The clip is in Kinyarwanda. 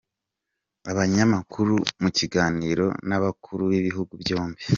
Abanyamakuru mu kiganiro n’abakuru b’ibihugu byombi